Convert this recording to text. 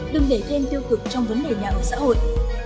đừng để thêm tiêu cực trong vấn đề nhà ở xã hội